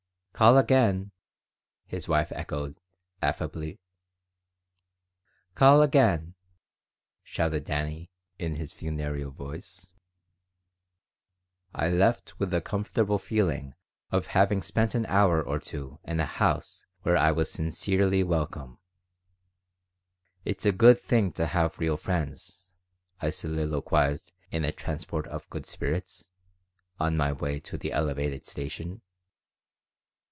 "Call again," his wife echoed, affably "Call again!" shouted Dannie, in his funereal voice I left with the comfortable feeling of having spent an hour or two in a house where I was sincerely welcome "It's a good thing to have real friends," I soliloquized in a transport of good spirits, on my way to the Elevated station.